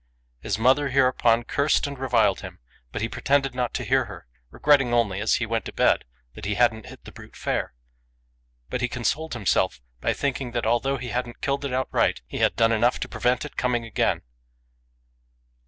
His mother hereupon cursed and reviled him, but he pretended not to hear her, regretting only FROM A CHINESE STUDIO. 87 as he went to bed that he hadn't hit the brute fair. But he consoled himself by thinking that although he hadn't killed it outright, he had done enough to prevent it coming again.